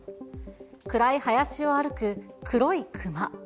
暗い林を歩く黒い熊。